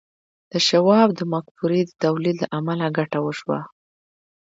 د شواب د مفکورې د تولید له امله ګټه وشوه